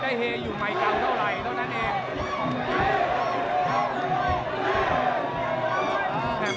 ได้เฮอยู่ไมค์๙เท่าไรเท่านั้นเอง